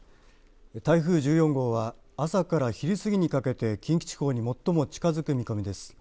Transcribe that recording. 台風１４号は朝から昼過ぎにかけて近畿地方に最も近づく見込みです。